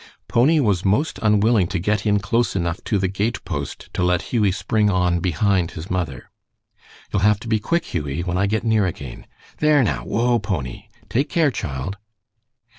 Pony was most unwilling to get in close enough to the gate post to let Hughie spring on behind his mother. "You'll have to be quick, Hughie, when I get near again. There now! Whoa, Pony! Take care, child!"